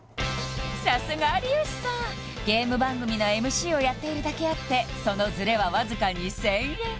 さすが有吉さんゲーム番組のＭＣをやっているだけあってそのズレはわずか２０００円